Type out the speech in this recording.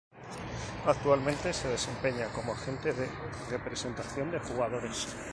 Actualmente se desempeña como Agente de representación de jugadores.